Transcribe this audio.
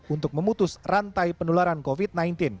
untuk memutus rantai penularan covid sembilan belas